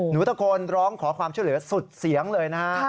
หนูตะโกนร้องขอความช่วยเหลือสุดเสียงเลยนะฮะ